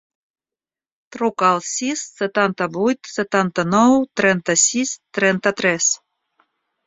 Truca al sis, setanta-vuit, setanta-nou, trenta-sis, trenta-tres.